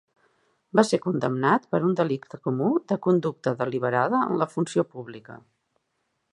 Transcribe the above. Va ser condemnat per un delicte comú de conducta deliberada en la funció pública.